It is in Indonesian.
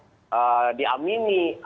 jadi di amini